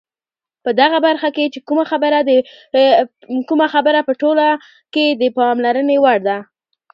په دغه برخه کې چې کومه خبره په ټوله کې د پاملرنې وړ ده،